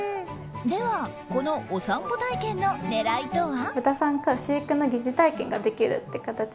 では、このお散歩体験の狙いとは？